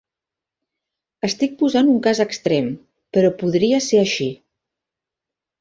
Estic posant un cas extrem, però podria ser així.